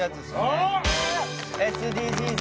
ＳＤＧｓ。